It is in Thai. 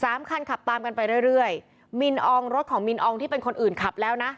สามคันขับตามกันไปเรื่อยมิลองค์รถของมิลองค์ที่เป็นคนอื่นขับแล้วนะ